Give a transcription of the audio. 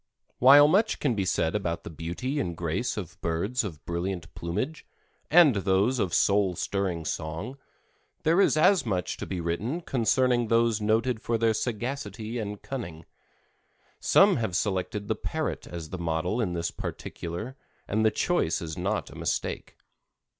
While much can be said about the beauty and grace of birds of brilliant plumage and those of soul stirring song, there is as much to be written concerning those noted for their sagacity and cunning. Some have selected the parrot as the model in this particular and the choice is not a mistake.